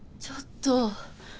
ちょっと！